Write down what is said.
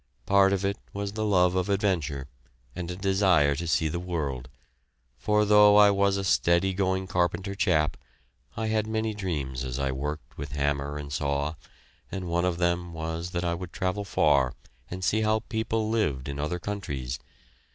Part of it was the love of adventure, and a desire to see the world; for though I was a steady going carpenter chap, I had many dreams as I worked with hammer and saw, and one of them was that I would travel far and see how people lived in other countries.